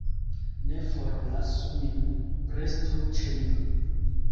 Ne forlasu min, restu ĉe mi!